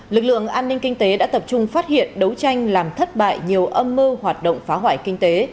lực lượng an ninh kinh tế đã tập trung phát hiện đấu tranh làm thất bại nhiều âm mưu hoạt động phá hoại kinh tế